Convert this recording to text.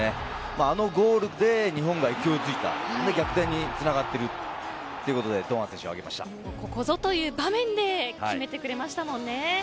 あのゴールで日本が勢いづいた逆転につながっているということでここぞという場面で決めてくれましたもんね。